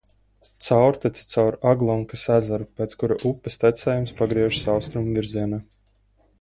Caurtece caur Aglonkas ezeru, pēc kura upes tecējums pagriežas austrumu virzienā.